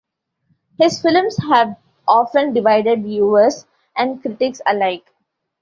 His films have often divided viewers and critics alike.